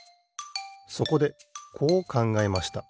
そこでこうかんがえました。